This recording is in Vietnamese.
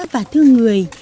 và thương người